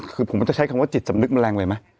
คือผมจะใช้คำว่าจิตสำนึกแมลงเลยมั้ย